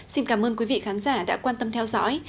xin cảm ơn quý vị khán giả đã quan tâm theo dõi